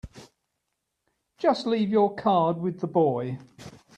Just leave your card with the boy.